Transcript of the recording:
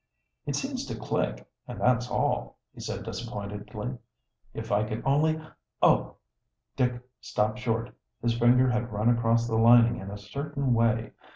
"It seems to click, and that's all," he said disappointedly. "If I could only Oh!" Dick stopped short. His finger had run across the lining in a certain way.